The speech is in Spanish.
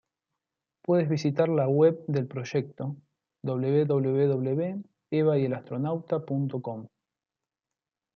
Puedes visitar la web del proyecto, www.evayelastronauta.com.